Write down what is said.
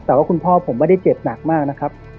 แต่ว่าคุณพ่อผมไม่ได้เจ็บหนักมากนะครับ